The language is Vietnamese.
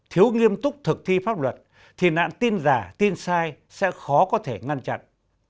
thiếu nghiêm túc thực thi pháp luật thì nạn tin giả tin sai sẽ khó có thể ngăn chặn